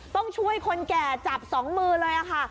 ต้องช่วยคนแก่จับสองมือเลยค่ะ